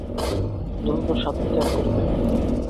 যতদূর সাধ্য ত্যাগ করিতে হইবে।